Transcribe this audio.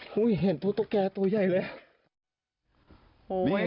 เฮ้ยเห็นตัวตุ๊กแก่ตัวใหญ่เลยเห็นอ่ะ